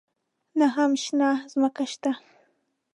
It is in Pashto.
نه هم شنه ځمکه شته.